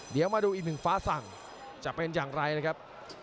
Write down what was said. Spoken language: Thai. เดี๋ยวมาดูอีกหนึ่งฟ้าสั่งจะเป็นอย่างไรนะครับ